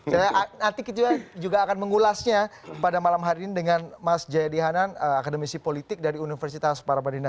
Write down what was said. saya nanti juga akan mengulasnya pada malam hari ini dengan mas jaya dihanan akademisi politik dari universitas parapadina